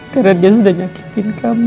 karena dia sudah nyakitin kamu